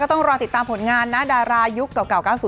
ต้องรอติดตามผลงานนะดารายุคเก่า๙๐